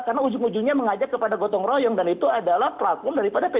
karena ujung ujungnya mengajak kepada gotong royong dan itu adalah plakum daripada pdip